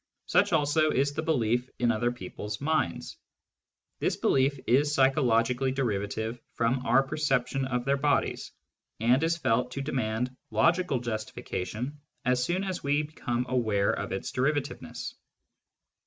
Such also is the belief in other people's minds : this belief is obviously derivative from our perception of their bodies, and is felt to demand logical justification as soon as we become aware of its derivativeness.